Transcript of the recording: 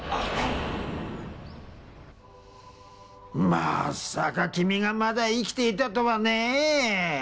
まさか君がまだ生きていたとはねえ。